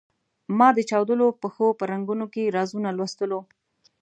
ما د چاودلو پښو په رنګونو کې رازونه لوستلو.